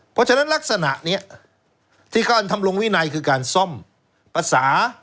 เพราะฉะนั้นลักษณะนี้ที่การทำลงวินัยคือการซ่อมภาษา